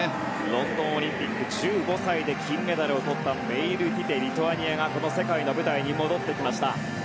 ロンドンオリンピック１５歳で金メダルをとったメイルティテ、リトアニアが世界の舞台に戻ってきました。